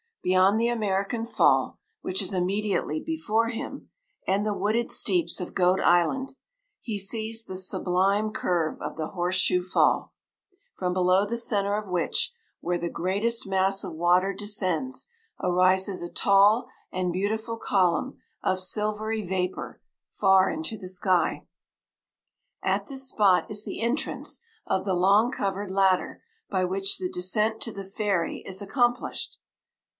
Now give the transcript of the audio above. Beyond the American fall, which is immediately before him, and the wooded steeps of Goat Island, he sees the sublime curve of the Horse shoe Fall; from below the centre of which, where the greatest mass of water descends, arises a tall and beautiful column of silvery vapour far into the sky. At this spot is the entrance of the long covered ladder by which the descent to the ferry is accomplished.